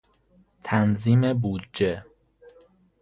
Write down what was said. تنظیم بودجه